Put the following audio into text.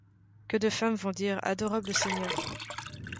Que de femmes vont dire :. Adorable seigneur !